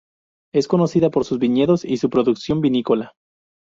Es conocida por sus viñedos y su producción vinícola.